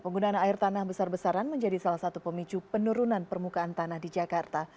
penggunaan air tanah besar besaran menjadi salah satu pemicu penurunan permukaan tanah di jakarta